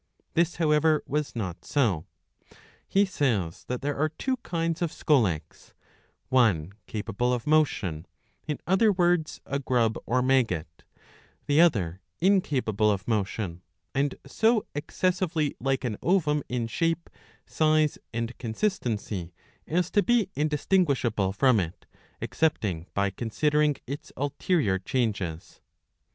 This, however, was not so. He says that there are two kinds of scolex, one capable of motion, in other words a grub or maggot, the other incapable of motion, and so excessively like an ovum in shape, size, and consistency, as to be indistinguishable from it, excepting by considering its ulterior changes.